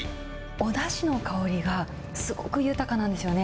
おだしの香りがすごく豊かなんですよね。